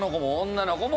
女の子も？